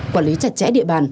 quản lý chặt chẽ địa bàn